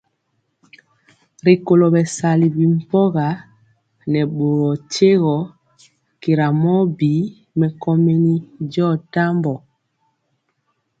Rikolo bɛsali bi mpɔga nɛ boro tyiegɔ kira mɔ bi mɛkomeni diɔ tambɔ.